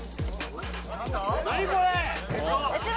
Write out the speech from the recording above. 何これ！